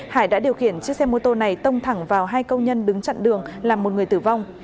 hải đã điều khiển chiếc xe mô tô này tông thẳng vào hai công nhân đứng chặn đường làm một người tử vong